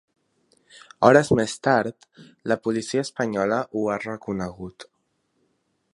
Hores més tard, la policia espanyola ho ha reconegut.